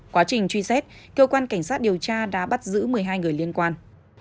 quá trình truy xét cơ quan cảnh sát điều tra đã bắt giữ một mươi hai người liên quan